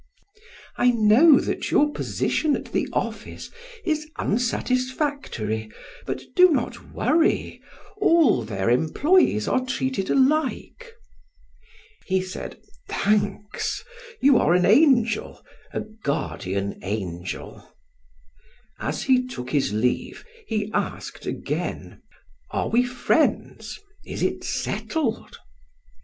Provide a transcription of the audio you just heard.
I know that your position at the office is unsatisfactory, but do not worry; all their employees are treated alike." He said: "Thanks; you are an angel a guardian angel." As he took his leave, he asked again: "Are we friends is it settled?"